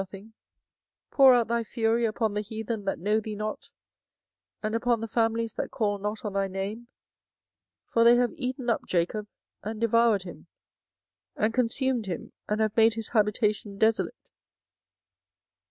24:010:025 Pour out thy fury upon the heathen that know thee not, and upon the families that call not on thy name: for they have eaten up Jacob, and devoured him, and consumed him, and have made his habitation desolate.